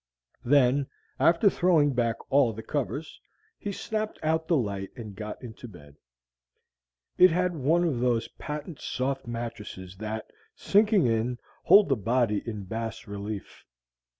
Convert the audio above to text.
Then, after throwing back all the covers, he snapped out the light and got into bed. It had one of those patent soft mattresses that, sinking in, hold the body in bas relief.